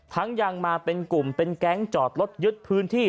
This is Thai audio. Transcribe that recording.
ยังมาเป็นกลุ่มเป็นแก๊งจอดรถยึดพื้นที่